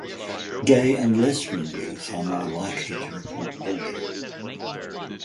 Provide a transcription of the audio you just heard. Gay and lesbian youth are more likely to report bullying.